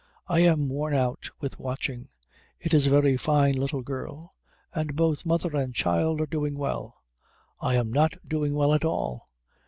I am worn out with watching. It is a very fine little girl, and both mother and child are doing well. I am not doing well at all.